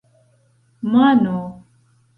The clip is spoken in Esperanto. mano